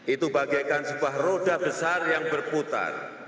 itu bagaikan sebuah roda besar yang berputar